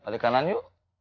balik kanan yuk